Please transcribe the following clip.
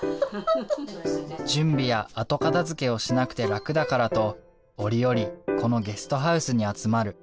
準備や後片づけをしなくて楽だからと折々このゲストハウスに集まる。